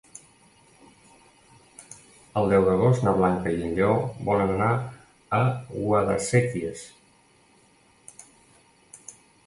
El deu d'agost na Blanca i en Lleó volen anar a Guadasséquies.